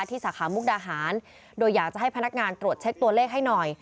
สาขามุกดาหารโดยอยากจะให้พนักงานตรวจเช็คตัวเลขให้หน่อย